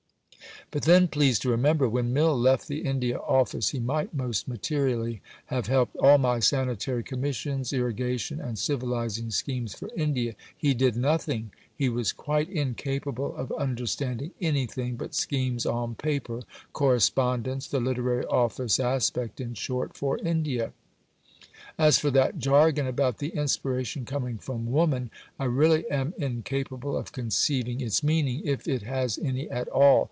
But then please to remember: when Mill left the India Office he might most materially have helped all my Sanitary Commissions, Irrigation and Civilizing Schemes for India. He did nothing. He was quite incapable of understanding anything but schemes on paper, correspondence, the literary Office aspect in short, for India. As for that jargon about the "Inspiration" coming from "woman," I really am incapable of conceiving its meaning: if it has any at all.